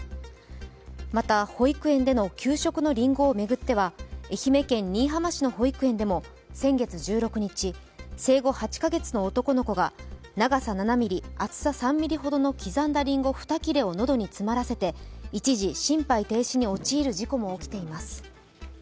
また、保育園での給食のりんごを巡っては愛媛県新居浜市の保育園でも先月１６日、生後８か月の男の子が長さ７ｍｍ、厚さ３ミリほどの刻んだりんごを喉に詰まらせて一時心肺停止に陥る事故も起きています。